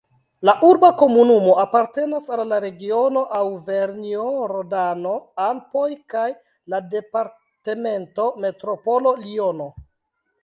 La urba komunumo apartenas al la regiono Aŭvernjo-Rodano-Alpoj kaj la departemento Metropolo Liono.